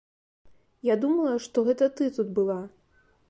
Я думала, што гэта ты тут была.